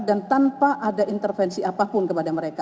dan tanpa ada intervensi apapun kepada mereka